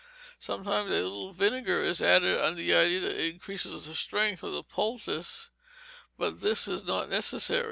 Sometimes a little vinegar is added under the idea that it increases the strength of the poultice, but this is not necessary.